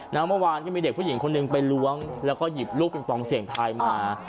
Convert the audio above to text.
เมื่อวานก็มีเด็กผู้หญิงคนหนึ่งไปล้วงแล้วก็หยิบลูกปิงปองเสี่ยงทายมา